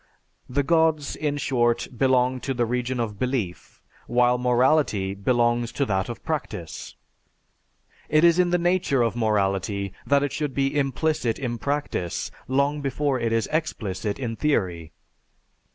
The Gods, in short belong to the region of belief, while morality belongs to that of practice. It is in the nature of morality that it should be implicit in practice long before it is explicit in theory.